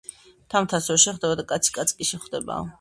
მთა მთას ვერ შეხვდება და კაცი კაცს კი შეხვდებაო